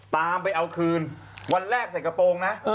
ตามไปเอาคืนวันแรกใส่กระโปรงนะ